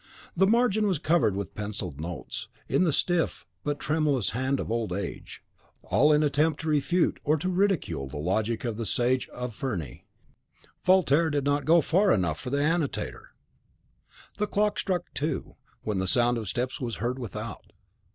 ("Histoire de Jenni.") The margin was covered with pencilled notes, in the stiff but tremulous hand of old age; all in attempt to refute or to ridicule the logic of the sage of Ferney: Voltaire did not go far enough for the annotator! The clock struck two, when the sound of steps was heard without.